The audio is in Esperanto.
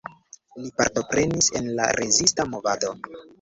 Li partoprenis en la rezista movado.